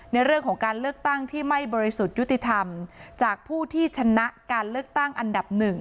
ในเรื่องของการเลือกตั้งที่ไม่บริสุทธิ์ยุติธรรมจากผู้ที่ชนะการเลือกตั้งอันดับหนึ่ง